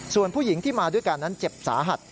ส่วนผู้หญิงที่มาด้วยกันนั้นเจ็บสาหัส